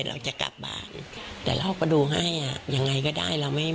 เราจะกลับบ้านแต่เราก็ดูให้อ่ะยังไงก็ได้เราไม่